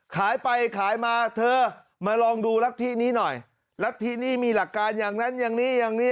ขายไปขายมาเธอมาลองดูรัฐธินี้หน่อยรัฐธินี่มีหลักการอย่างนั้นอย่างนี้อย่างนี้